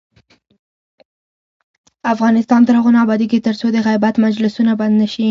افغانستان تر هغو نه ابادیږي، ترڅو د غیبت مجلسونه بند نشي.